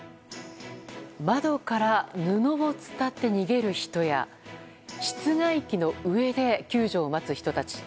窓から布を伝って逃げる人や室外機の上で救助を待つ人たち。